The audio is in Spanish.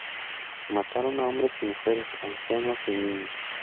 Mataron a hombres y mujeres, ancianos y niños.